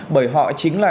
bởi họ chính là